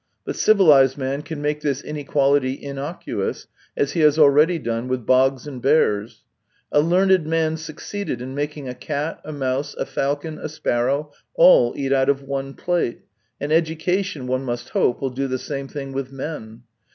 But civilized man can make this inequality innocuous, as he has already done with bogs and bears. A learned man succeeded in making a cat, a mouse, a falcon, a sparrow, al! eat out of one plate; and education, one must hope, will do the same thing with men.